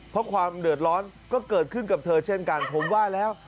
เพราะความเดือดร้อนก็เกิดขึ้นกับเธอเช่นกันผมว่าแล้ว